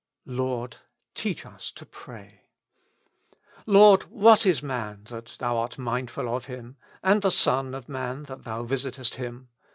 "Lord, teach us to pray." Lord ! what is man, that Thou art mindful of him? and the son of man, that thou visitest him